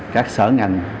các sở ngành